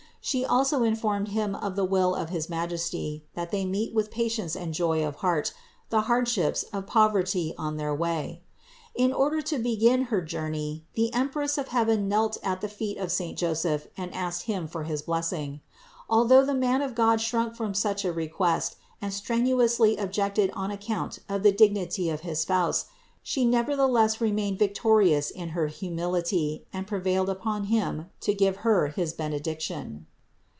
She also informed him of the will of his Majesty that they meet with patience and joy of heart the hard ships of poverty on their way. In order to begin her journey the Empress of heaven knelt at the feet of saint Joseph and asked him for his blessing. Although the man of God shrunk from such a request and strenuously ob jected on account of the dignity of his Spouse, She never theless remained victorious in her humility and prevailed upon him to give Her his benediction.